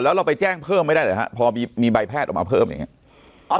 แล้วเราไปแจ้งเพิ่มไม่ได้หรือฮะพอมีใบแพทย์ออกมาเพิ่มอย่างนี้